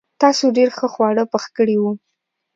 تاسو ډېر ښه خواړه پخ کړي وو.